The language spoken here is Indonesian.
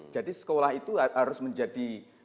jadi sekolah itu harus menjadi